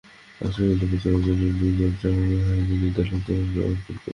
রাজকুমারী দ্রৌপদী অর্জুনের নিকট অগ্রসর হইয়া তদীয় গলদেশে মনোহর বরমাল্য অর্পণ করিলেন।